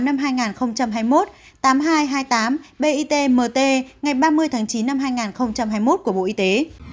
hai mươi sáu tháng tám năm hai nghìn hai mươi một tám nghìn hai trăm hai mươi tám bitmt ngày ba mươi tháng chín năm hai nghìn hai mươi một của bộ y tế